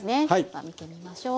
見てみましょう。